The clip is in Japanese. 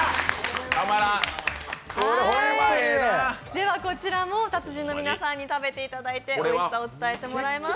ではこちらも達人の皆さんに食べていただいておいしさを伝えてもらいます。